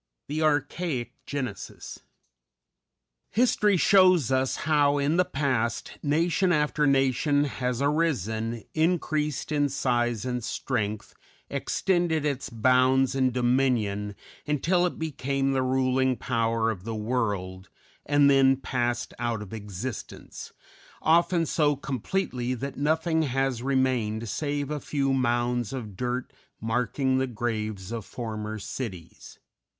_" The Archaic Genesis. History shows us how in the past nation after nation has arisen, increased in size and strength, extended its bounds and dominion until it became the ruling power of the world, and then passed out of existence, often so completely that nothing has remained save a few mounds of dirt marking the graves of former cities.